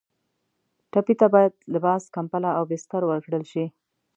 ټپي ته باید لباس، کمپله او بستر ورکړل شي.